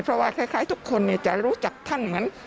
เพราะว่าคล้ายทุกคนจะรู้จักท่านเหมือน